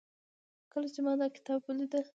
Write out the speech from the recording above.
کله چې ما دا کتاب وليده